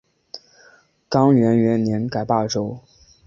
干元元年改霸州。